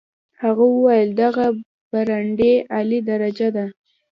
هغه وویل دغه برانډې اعلی درجه ده.